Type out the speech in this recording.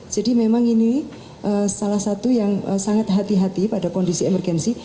jadi memang ini salah satu yang sangat hati hati pada kondisi emergensi